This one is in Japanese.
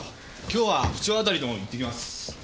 今日は府庁辺りの方に行ってきます。